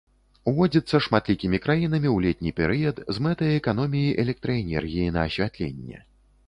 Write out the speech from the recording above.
Уводзіцца шматлікімі краінамі ў летні перыяд з мэтай эканоміі электраэнергіі на асвятленне.